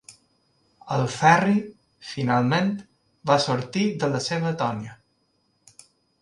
El Ferri, finalment, va sortir de la seva atonia.